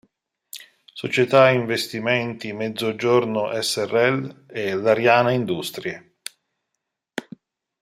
Società Investimenti Mezzogiorno Srl e Lariana Industrie.